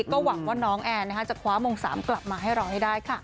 ก็หวังว่าน้องแอนจะคว้ามง๓กลับมาให้เราให้ได้ค่ะ